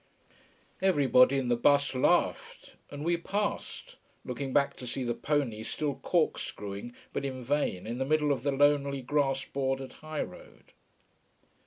Everybody in the bus laughed, and we passed, looking back to see the pony still corkscrewing, but in vain, in the middle of the lonely, grass bordered high road.